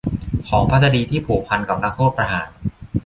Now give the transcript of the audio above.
ของพัศดีที่ผูกพันกับนักโทษประหาร